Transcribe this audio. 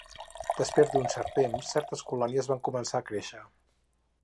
Després d'un cert temps, certes colònies van començar a créixer.